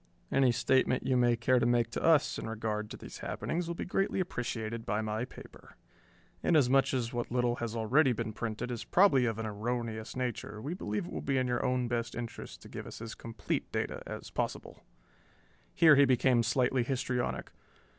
Any statement you may care to make to us in regard to these happenings will be greatly appreciated by my paper. Inasmuch as what little has already been printed is probably of an erroneous nature, we believe it will be in your own best interest to give us as complete data as possible." Here he became slightly histrionic.